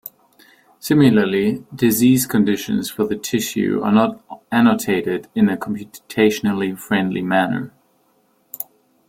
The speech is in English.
Similarly, disease conditions for the tissue are not annotated in a computationally friendly manner.